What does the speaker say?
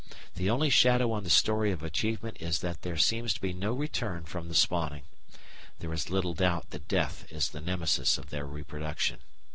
The only shadow on the story of achievement is that there seems to be no return from the spawning. There is little doubt that death is the nemesis of their reproduction.